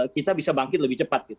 kita bisa bangkit lebih cepat